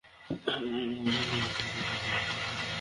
আর এই আযাব হচ্ছে প্লেগ, যেমন সহীহ বুখারী ও সহীহ মুসলিমে উল্লেখ রয়েছে।